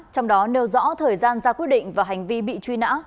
trong đó nêu rõ thời gian ra quyết định và hành vi bị truy nã